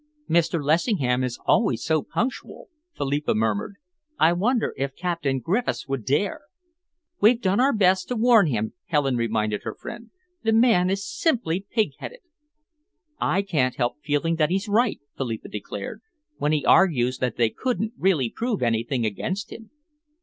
"Mr. Lessingham is always so punctual," Philippa murmured. "I wonder if Captain Griffiths would dare!" "We've done our best to warn him," Helen reminded her friend. "The man is simply pig headed." "I can't help feeling that he's right," Philippa declared, "when he argues that they couldn't really prove anything against him."